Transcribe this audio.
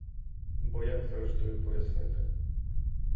Бо як, зрештою, пояснити?